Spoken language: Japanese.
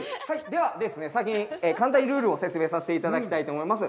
ではですね、先に簡単にルールを説明させていただきたいと思います。